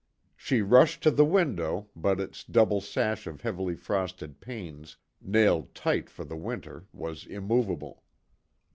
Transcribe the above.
She rushed to the window but its double sash of heavily frosted panes nailed tight for the winter was immovable.